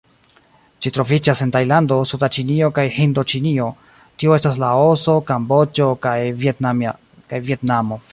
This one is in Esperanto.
Ĝi troviĝas en Tajlando, suda Ĉinio kaj Hindoĉinio, tio estas Laoso, Kamboĝo kaj Vjetnamo.